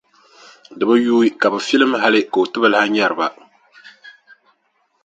Di bi yuui ka bɛ filim hali ka o ti bi lahi nyari ba.